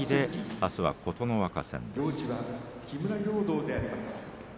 あすは琴ノ若戦です。